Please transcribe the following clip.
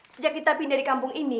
sejak kita pindah di kampung ini